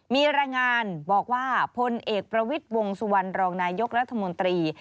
มีรายงานบอกว่าพลเอกประวิทย์วงสุวรรณรองนายกรัฐมนตรี